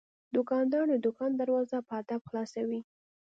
دوکاندار د دوکان دروازه په ادب خلاصوي.